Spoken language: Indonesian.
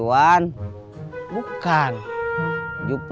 kau mau berangkat